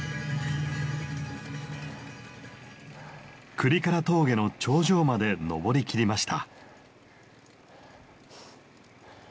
倶利伽羅峠の頂上まで上りきりました。